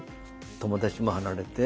友達も離れて。